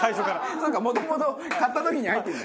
そっかもともと買った時に入ってるんだ。